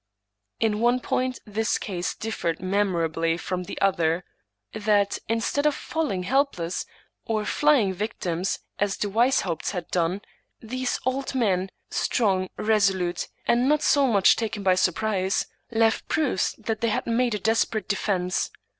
In one point this case differed memorably from the other — ^that, instead of falling helpless, or flying victims (as the Weishaupts had done), these old men, strong, resolute, and not so much taken by surprise, left proofs that they had made a desperate defense.